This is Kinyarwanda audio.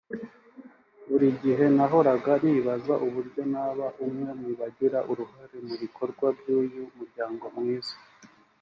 Buri gihe nahoraga nibaza uburyo naba umwe mu bagira uruhare mu bikorwa by’uyu muryango mwiza